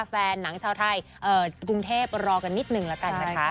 แฟนหนังชาวไทยกรุงเทพรอกันนิดนึงแล้วกันนะคะ